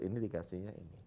ini dikasihnya ini